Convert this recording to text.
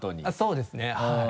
そうですねはい。